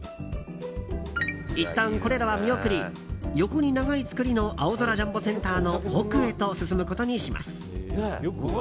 いったん、これらは見送り横に長い造りの青空ジャンボセンターの奥へと進むことにします。